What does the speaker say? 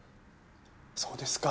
そうですか。